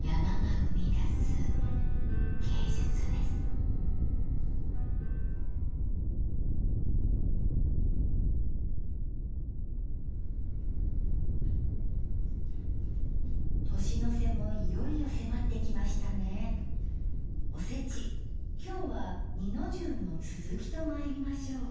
おせち今日は二の重の続きとまいりましょう。